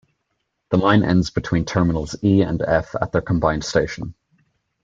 The line ends between terminals E and F at their combined station.